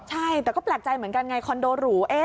ใช่แต่ก็แปลกใจเหมือนกันไงคอนโดหรู